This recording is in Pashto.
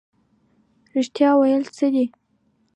رښتیا ویل څه دي؟